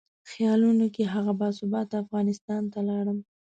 خیالونو کې هغه باثباته افغانستان ته لاړم.